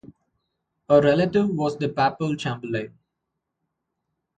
A relative was the Papal Chamberlain.